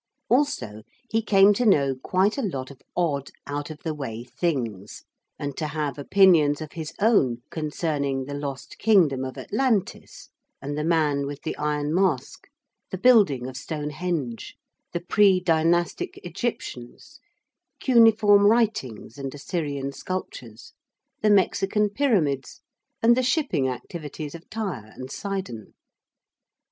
Also he came to know quite a lot of odd, out of the way things, and to have opinions of his own concerning the lost Kingdom of Atlantis, and the Man with the Iron Mask, the building of Stonehenge, the Pre dynastic Egyptians, cuneiform writings and Assyrian sculptures, the Mexican pyramids and the shipping activities of Tyre and Sidon.